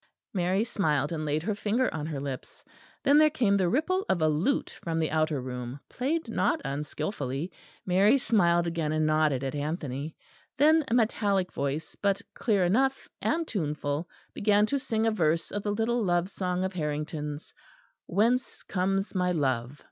Mary smiled and laid her finger on her lips. Then there came the ripple of a lute from the outer room, played not unskilfully. Mary smiled again and nodded at Anthony. Then, a metallic voice, but clear enough and tuneful, began to sing a verse of the little love song of Harrington's, _Whence comes my love?